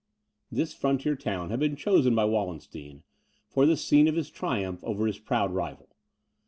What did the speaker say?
This frontier town had been chosen by Wallenstein, for the scene of his triumph over his proud rival.